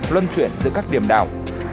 luân chuyển giữa các điểm đảo